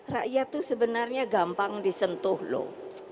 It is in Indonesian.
rakyat itu sebenarnya gampang disentuh loh